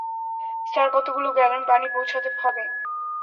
Sir, কতগুলো gallon পানি পৌঁছাতে হবে।